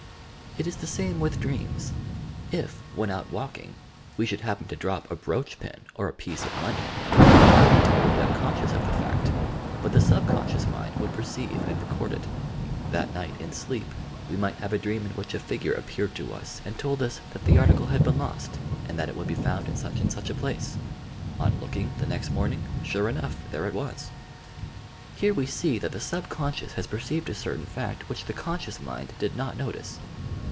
It ia the same with dreams. If, when out walking, we should happen to drop a brooch pin or a piece of money, we might be totally unconscious of the fact, but the subconscious mind would perceive and record it. That night, in sleep, we might have a dream in which a figure appeared to us and told us that the article had been lost, and that it would be found in such and such a place. On looking, the next morning, sure enough there it was I Here we see that the subconscious has perceived a certain fact which the conscious mind did not notice.